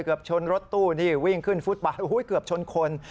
เกือบชนรถตู้นี่วิ่งขึ้นฟุตปะเกือบชนคน